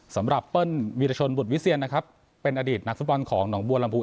เปิ้ลวีรชนบุตรวิเซียนนะครับเป็นอดีตนักฟุตบอลของหนองบัวลำพู